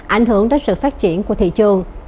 ảnh hưởng đến sự phát triển của thị trường